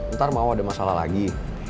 ntar mau ada masalah lagi